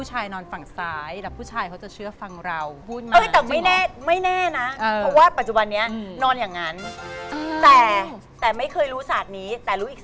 อย่างแรกนะพนมมือแล้วก็เข้าทางแม่สามีเลย